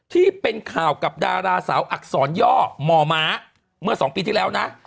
ที่เป็นข่าวกับดาราสาวอักษรย่อมอม้าเมื่อ๒ปีที่แล้วนะ